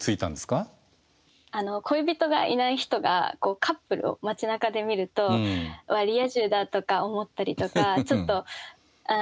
恋人がいない人がカップルを町なかで見ると「わリア充だ」とか思ったりとかちょっと。